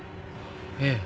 ええ。